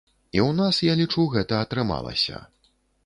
І ў нас, я лічу, гэта атрымалася.